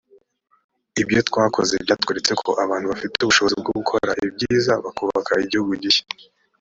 ibyo twakoze byatweretse ko abantu bafite ubushobozi bwo gukora ibyiza bakubaka igihugu gishya